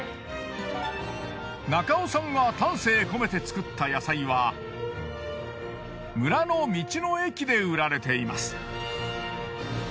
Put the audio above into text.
中尾さんが丹精込めて作った野菜は村の道の駅で売られています。